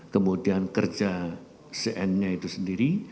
kemudian kerja cn nya itu sendiri